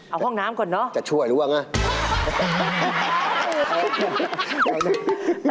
เอาห้องน้ำก่อนเนอะจะช่วยหรือว่าไง